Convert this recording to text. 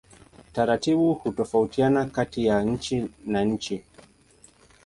Taratibu hutofautiana kati ya nchi na nchi.